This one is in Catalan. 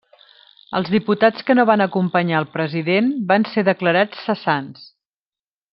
Els diputats que no van acompanyar al president van ser declarats cessants.